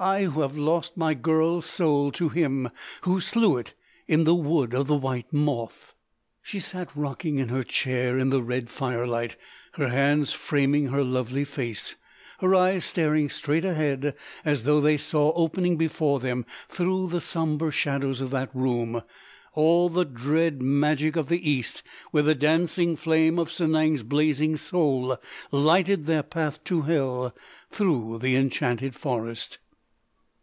I who have lost my girl's soul to him who slew it in the Wood of the White Moth!" She sat rocking in her chair in the red firelight, her hands framing her lovely face, her eyes staring straight ahead as though they saw opening before them through the sombre shadows of that room all the dread magic of the East where the dancing flame of Sanang's blazing soul lighted their path to hell through the enchanted forest.